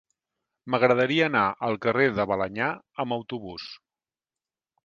M'agradaria anar al carrer de Balenyà amb autobús.